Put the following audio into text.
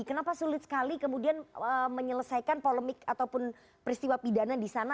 kenapa sulit sekali kemudian menyelesaikan polemik ataupun peristiwa pidana di sana